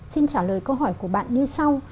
xin trả lời câu hỏi của bạn như sau